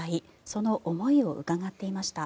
その思いを伺っていました。